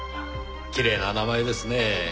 きれいな名前ですねぇ。